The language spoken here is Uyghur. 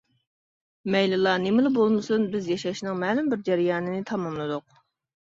مەيلىلا، نېمىلا بولمىسۇن بىز ياشاشنىڭ مەلۇم بىر جەريانىنى تاماملىدۇق.